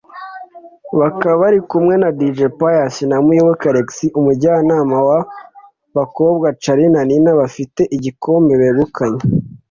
bakaba bari kumwe na Dj Pius na Muyoboke Alex umujyanama w'aba bakobwaCharly na Nina bafite igikombe begukanye